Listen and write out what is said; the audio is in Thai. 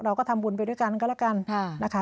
เราก็ทำบุญไปด้วยกันก็แล้วกันนะคะ